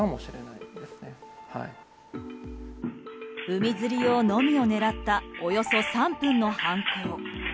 海釣り用のみを狙ったおよそ３分の犯行。